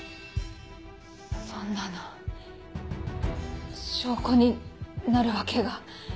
そんなの証拠になるわけが。